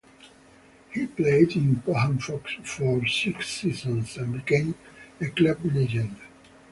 He played in Pohang for six seasons and became a club legend.